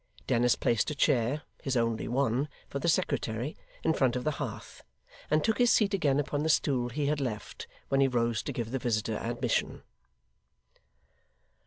Dennis placed a chair, his only one, for the secretary, in front of the hearth; and took his seat again upon the stool he had left when he rose to give the visitor admission.